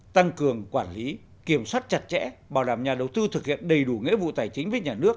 tăng cường quản lý kiểm soát chặt chẽ bảo đảm nhà đầu tư thực hiện đầy đủ nghĩa vụ tài chính với nhà nước